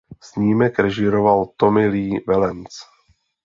Snímek režíroval Tommy Lee Wallace.